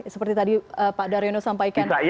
seperti tadi pak daryono sampaikan